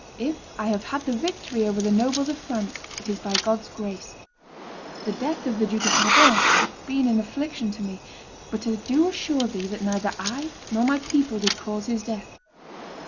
If I have had the victory over the nobles of France, it is by God's grace. The death of the Duke of Brabant hath been an affliction to me; but I do assure thee that neither I nor my people did cause his death.